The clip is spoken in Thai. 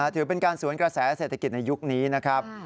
ถือเป็นการสวนกระแสเศรษฐกิจในยุคนี้นะครับ